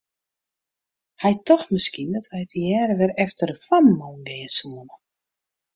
Hy tocht miskien dat wy tegearre wer efter de fammen oan gean soene.